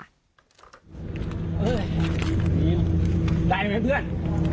ได้ไหมเพื่อน